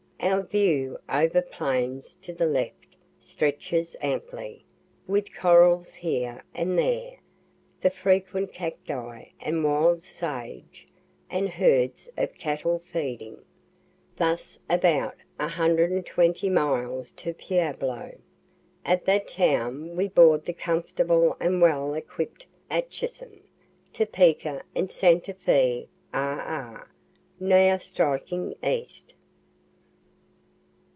Our view over plains to the left stretches amply, with corrals here and there, the frequent cactus and wild sage, and herds of cattle feeding. Thus about 120 miles to Pueblo. At that town we board the comfortable and well equipt Atchison, Topeka and Santa Fe RR., now striking east.